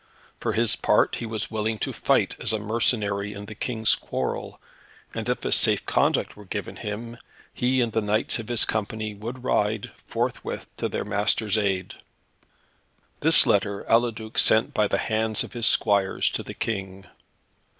For his part he was willing to fight as a mercenary in the King's quarrel, and if a safe conduct were given him, he and the knights of his company would ride, forthwith, to their master's aid. This letter, Eliduc sent by the hands of his squires to the King.